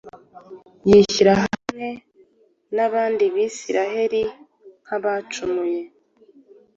yishyira hamwe n’abandi Bisirayeli nk’abacumuye.